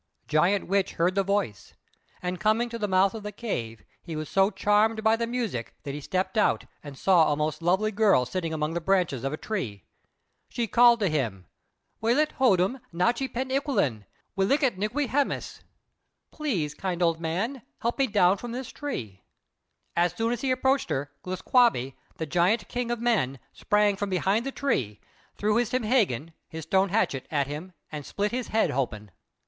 Giant Witch heard the voice, and coming to the mouth of the cave, he was so charmed by the music that he stepped out and saw a most lovely girl sitting among the branches of a tree. She called to him: "W'litt hoddm'n, natchī pen eqūlin w'liketnqu' hēmus," "Please, kind old man, help me down from this tree." As soon as he approached her, Glūs kābé, the great king of men, sprang from behind the tree, threw his "timhēgan," his stone hatchet, at him and split his head open.